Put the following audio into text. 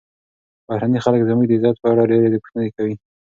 بهرني خلک زموږ د عزت په اړه ډېرې پوښتنې کوي.